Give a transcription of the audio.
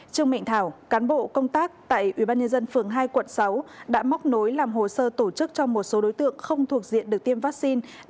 trương mạnh thảo cán bộ công tác tại ubnd phường hai quận sáu đã móc nối làm hồ sơ tổ chức cho một số đối tượng không thuộc diện được tiêm vaccine